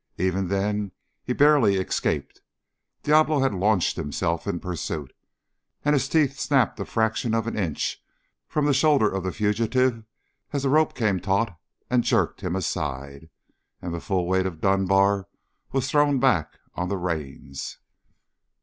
Even then he barely escaped. Diablo had launched himself in pursuit, and his teeth snapped a fraction of an inch from the shoulder of the fugitive as the rope came taut and jerked him aside, and the full weight of Dunbar was thrown back on the reins.